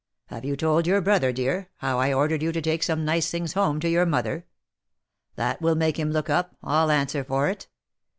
Have you told your brother, dear, how I ordered you to take some nice things home to your mother ? That will make him look up, I'll answer for it